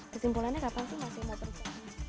kesimpulannya kapan sih masih mau periksa